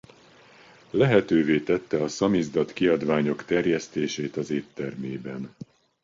Lehetővé tette a szamizdat kiadványok terjesztését az éttermében.